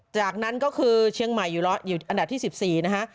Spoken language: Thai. จากนั้นก็คือเชียงใหม่อยู่อันดับที่๑๔นะฮะ